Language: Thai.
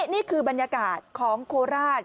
นี่คือบรรยากาศของโคราช